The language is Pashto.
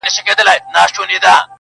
o د سپو سلا فقير ته يوه ده٫